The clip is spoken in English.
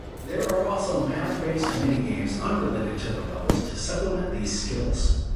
There are also math-based minigames unrelated to the levels to supplement these skills.